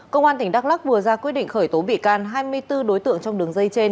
công an tỉnh đắk lắc vừa ra quyết định khởi tố bị can hai mươi bốn đối tượng trong đường dây trên